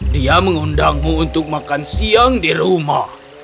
dia mengundangmu untuk makan siang di rumah